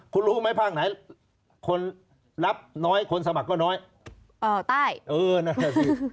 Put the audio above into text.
คุณรู้ไหมภาคไหนคนรับน้อยคนสมัครก็น้อยเออใต้เออนั่นแหละสิ